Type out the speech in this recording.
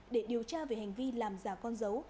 để điều tra về hành vi làm giả con dấu